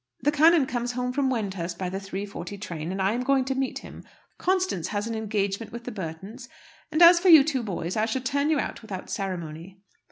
The canon comes home from Wendhurst by the three forty train, and I am going to meet him; Constance has an engagement with the Burtons; and as for you two boys, I shall turn you out without ceremony."